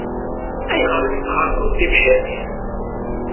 Ayɣer i tesxeṛbeḍ tibḥirt-is?